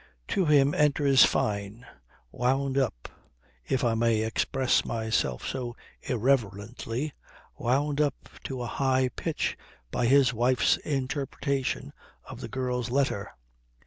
To him enters Fyne, wound up, if I may express myself so irreverently, wound up to a high pitch by his wife's interpretation of the girl's letter.